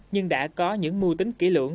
nhưng đã có những mưu tính kỹ lưỡng